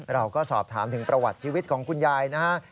เราก็สอบถามถึงประวัติชีวิตของคุณยายนะฮะ